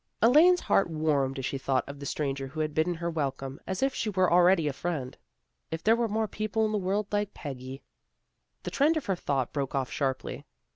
Elaine's heart warmed as she thought of the stranger who had bidden her welcome as if she were already a friend. If there were more people in the world like Peggy The trend of her thought broke off sharply.